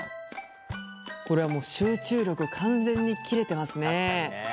これはもう集中力完全に切れてますねえ。